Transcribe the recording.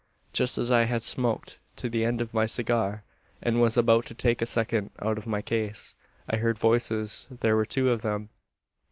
"Just as I had smoked to the end of my cigar, and was about to take a second out of my case, I heard voices. There were two of them.